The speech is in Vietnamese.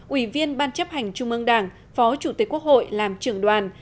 ủy viên ban chấp hành trung ương đảng phó chủ tịch quốc hội làm trưởng đoàn